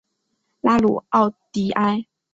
拉鲁奥迪埃。